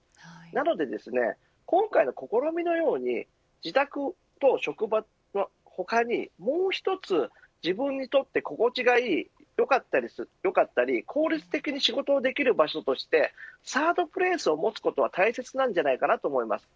なので今回の試みのように自宅と職場の他にもう一つ自分にとって心地がよかったり効率的に仕事ができる場所としてサードプレイスを持つことは大切だと思います。